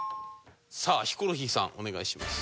さあヒコロヒーさんお願いします。